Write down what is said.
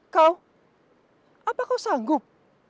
kau apa kau sanggup